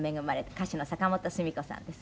歌手の坂本スミ子さんです。